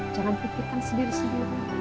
jangan pikirkan sendiri sendiri